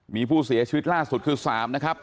มีผู้เสียชีวิตล่าสุดคือ๓นะครับ